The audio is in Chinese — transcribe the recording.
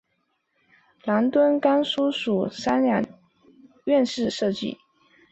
仁敦冈书室属三进两院式设计。